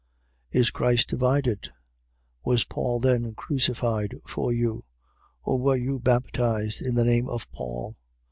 1:13. Is Christ divided? Was Paul then crucified for you? Or were you baptized in the name of Paul?